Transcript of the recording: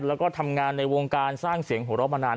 แล้วก็ทำงานในวงการสร้างเสียงหัวเราะมานาน